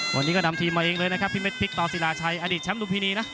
วันนี้ก็นำทีมมาเองเลยนะครับพี่เม็ดพริกต่อศิลาชัยอดีตแชมป์ลุมพินีนะ